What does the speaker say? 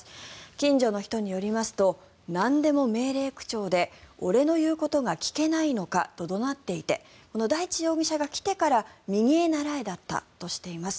近所の人によりますとなんでも命令口調で俺の言うことが聞けないのかと怒鳴っていてこの大地容疑者が来てから右へ倣えだったとしています。